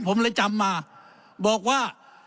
ผมเลยจำมาบอกว่า